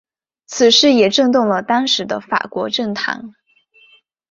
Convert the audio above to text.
此事也震动了当时的法国政坛。